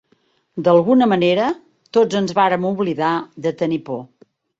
D'alguna manera, tots ens vàrem oblidar de tenir por.